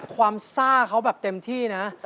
ความทราบเค้าแบบเต็มที่นะ